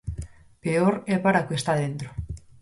Peor é para o que está dentro.